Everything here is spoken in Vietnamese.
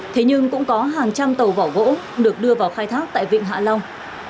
thế nhưng cũng có hàng trăm tàu vỏ gỗ được đưa vào khai thác tại vịnh hạ long